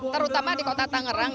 terutama di kota tanggerang